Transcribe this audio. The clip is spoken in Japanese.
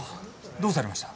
どうされました？